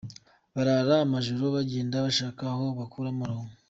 Barara amajoro bajyenda bashaka aho bakura amaronko.